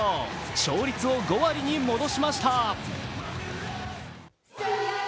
勝率を５割に戻しました。